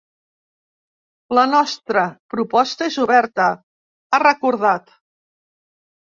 La nostra proposta és oberta, ha recordat.